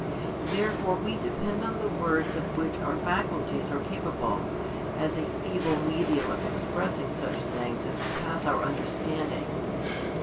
Therefore we depend on the words of which our faculties are capable, as a feeble medium of expressing such things as pass our understanding.